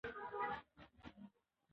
محکمې د اداري شخړو د حل واک لري.